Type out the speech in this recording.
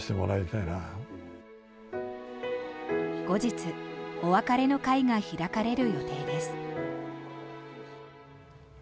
後日、お別れの会が開かれる予定です。